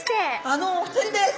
あのお二人です。